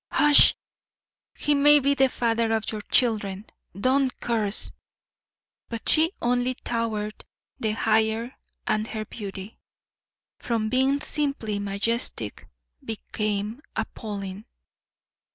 "Hush! he may be the father of your children. Don't curse " But she only towered the higher and her beauty, from being simply majestic, became appalling.